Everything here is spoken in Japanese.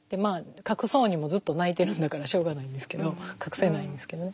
隠そうにもずっと泣いてるんだからしょうがないんですけど隠せないんですけど。